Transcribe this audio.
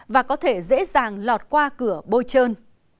và có thể dễ dàng lọt qua cửa bôi trơn